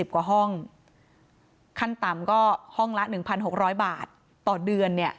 กว่าห้องขั้นต่ำก็ห้องละ๑๖๐๐บาทต่อเดือนเนี่ย